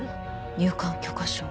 入館許可証。